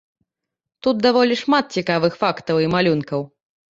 Тут даволі шмат цікавых фактаў і малюнкаў.